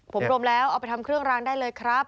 ผมรวมแล้วเอาไปทำเครื่องรางได้เลยครับ